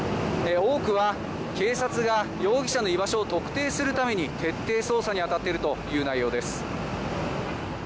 多くは、警察が容疑者の居場所を特定するために徹底捜査に当たっているという内容です。